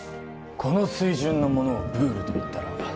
この水準のものをブールと言ったら